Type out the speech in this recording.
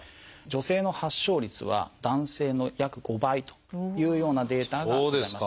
女性の発症率は男性の約５倍というようなデータがあります。